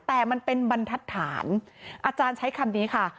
แต่มันเป็นบรรทัศนอาจารย์ใช้คำนี้ค่ะ